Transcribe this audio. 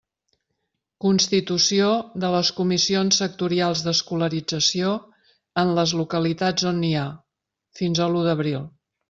Constitució de les comissions sectorials d'escolarització en les localitats on n'hi ha: fins a l'u d'abril.